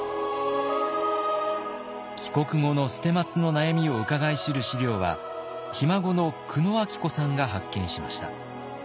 帰国後の捨松の悩みをうかがい知る資料はひ孫の久野明子さんが発見しました。